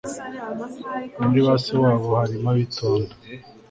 Muri ba se wabo harimo abitonda